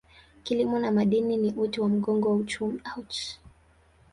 Kilimo na madini ni uti wa mgongo wa uchumi.